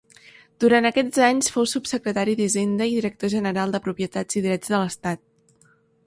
Durant aquests anys fou subsecretari d'Hisenda i Director General de Propietats i Drets de l'Estat.